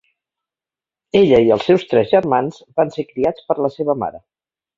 Ella i els seus tres germans van ser criats per la seva mare.